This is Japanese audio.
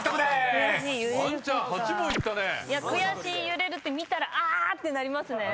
「揺れる」って見たらあ！ってなりますね。